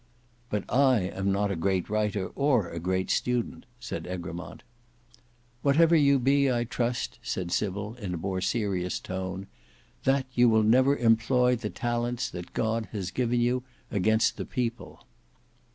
"But I am not a great writer or a great student," said Egremont. "Whatever you be, I trust," said Sybil, in a more serious tone, "that you will never employ the talents that God has given you against the People."